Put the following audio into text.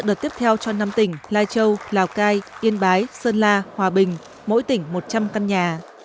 đợt tiếp theo cho năm tỉnh lai châu lào cai yên bái sơn la hòa bình mỗi tỉnh một trăm linh căn nhà